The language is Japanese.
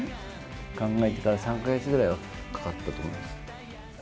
考えてから３か月ぐらいはかかったと思います。